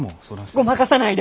ごまかさないで！